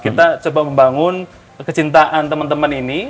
kita coba membangun kecintaan teman teman ini